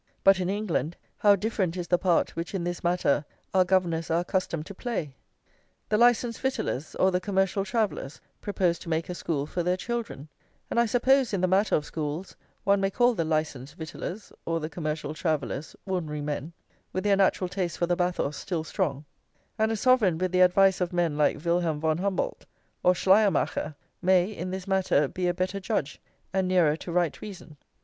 But in England how different is the part which in this matter our governors are accustomed to play! The Licensed Victuallers or the Commercial Travellers propose to make a school for their children; and I suppose, in the matter of schools, one may call the Licensed Victuallers or the Commercial Travellers ordinary men, with their natural taste for the bathos still strong; and a Sovereign with the advice of men like Wilhelm von Humboldt or Schleiermacher may, in this matter, be a better judge, and nearer to right reason.